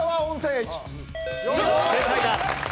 正解だ！